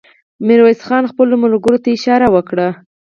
ميرويس خان خپلو ملګرو ته اشاره وکړه.